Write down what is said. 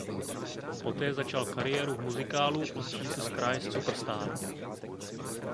Poté začal kariéru v muzikálu v "Jesus Christ Superstar".